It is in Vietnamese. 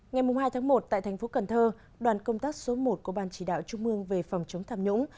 ngày hai tháng một tại thành phố cần thơ đoàn công tác số một của ban chỉ đạo trung mương về phòng chống tham nhũng